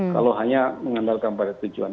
kalau hanya mengandalkan pada tujuan